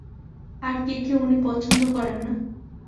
আর কি কি উনি পছন্দ করেন না?